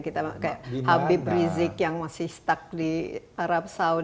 kita kayak habib rizik yang masih stuck di arab saudi